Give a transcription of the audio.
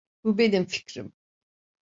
Bu benim fikrim.